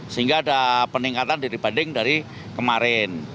sehingga ada peningkatan dibanding dari kemarin